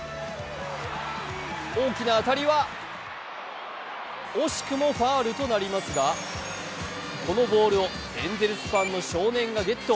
大きな当たりは惜しくもファウルとなりますがこのボールをエンゼルスファンの少年がゲット。